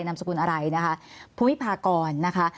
นามสกุลอะไรนะคะภูวิพากรนะคะ